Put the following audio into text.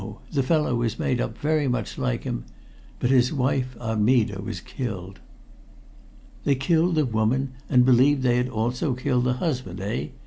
The fellow was made up very much like him. But his wife Armida was killed." "They killed the woman, and believed they had also killed her husband, eh?"